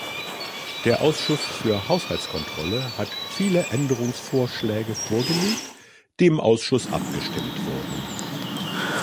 Der Ausschuss für Haushaltskontrolle hat viele Änderungsvorschläge vorgelegt, die im Ausschuss abgestimmt wurden.